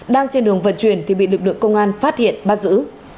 đang trên đường vận chuyển thì bị lực lượng công an phát hiện bắt giữ